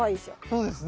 そうですね。